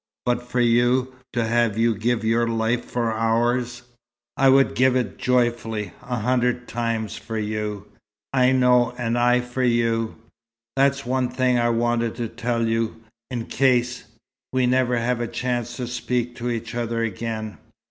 But for you to have you give your life for ours " "I would give it joyfully, a hundred times for you." "I know. And I for you. That's one thing I wanted to tell you, in case we never have a chance to speak to each other again.